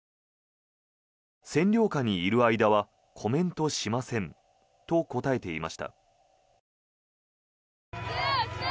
占領下にいる間はコメントしませんと答えていました。